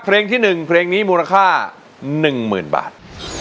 เพลงหนึ่งกรุงนี้มูลค่า๑๐๐๐๐บาท